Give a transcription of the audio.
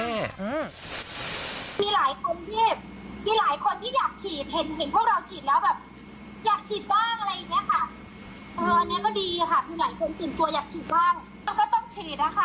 มีหลายคนที่อยากฉีด